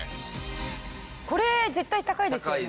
これ絶対高いですよね。